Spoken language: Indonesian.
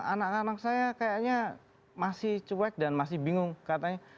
anak anak saya kayaknya masih cuek dan masih bingung katanya